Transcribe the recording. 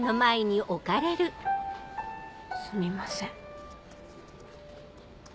すみません。